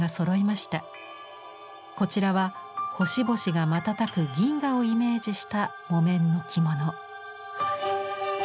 こちらは星々が瞬く銀河をイメージした木綿の着物。